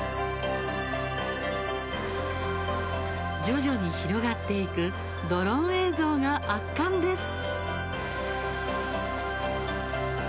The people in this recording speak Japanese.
徐々に広がっていくドローン映像が圧巻です。